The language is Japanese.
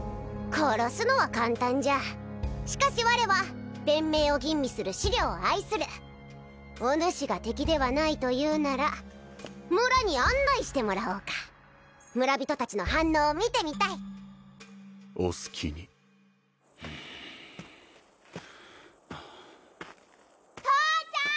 殺すのは簡単じゃしかし我は弁明を吟味する思慮を愛するおぬしが敵ではないと言うなら村に案内してもらおうか村人達の反応を見てみたいお好きに父ちゃん！